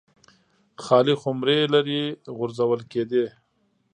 خالي خُمرې لرې غورځول کېدې